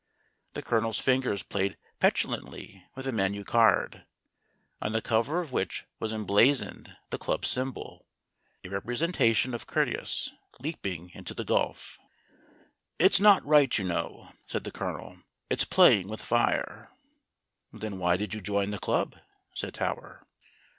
The Colonel's fingers played petulantly with a menu card, on the cover of which was emblazoned the club symbol, a representa tion of Curtius leaping into the gulf. "It's not right, you know," said the Colonel. "It's playing with fire." "Then why did you join the club?" said Tower.